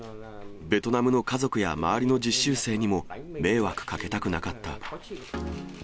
ベトナムの家族や周りの実習生にも、迷惑かけたくなかった。